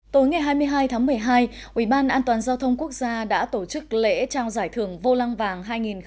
tối ngày hai mươi hai tháng một mươi hai ubnd đã tổ chức lễ trao giải thưởng vô lăng vàng hai nghìn một mươi chín